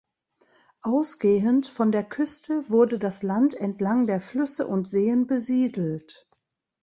Ausgehend von der Küste wurde das Land entlang der Flüsse und Seen besiedelt.